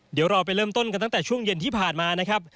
เดี๋ยวเราไปเริ่มต้นกันตั้งแต่ช่วงเย็นที่ผ่านมานะครับ